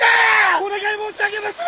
お願い申し上げまする！